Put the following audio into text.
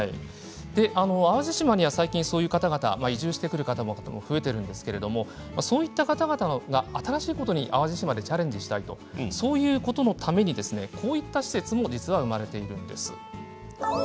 淡路島にはそういう方々移住しされる方も増えているんですけれどもそういった方たちが新しいことに淡路島でチャレンジしたいというそのために、こういう施設も生まれているんです。